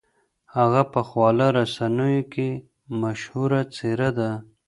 هغې په خواله رسنیو کې مشهوره څېره ده.